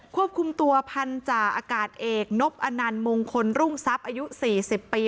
ควบคุมตัวพันธาอากาศเอกนบอนันต์มงคลรุ่งทรัพย์อายุ๔๐ปี